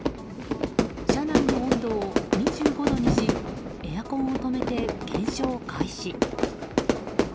車内の温度を２５度にしエアコンを止めて検証開始。